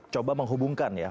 coba menghubungkan ya